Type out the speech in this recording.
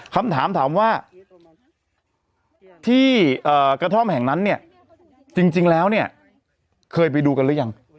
คำถามถามว่าที่กระท่อมแห่งนั้นเนี่ยจริงแล้วเนี่ยเคยไปดูกันหรือยัง